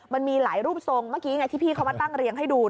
มันมีหลายรูปทรงเมื่อกี้ไงที่พี่เขามาตั้งเรียงให้ดู